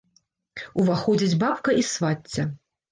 Уваходзяць бабка і свацця.